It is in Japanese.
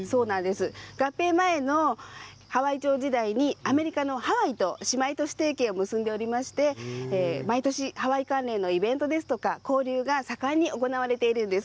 合併前の羽合町時代にアメリカのハワイと姉妹都市提携を結んでいて毎年イベントで交流が盛んに行われているんです。